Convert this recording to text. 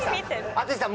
淳さん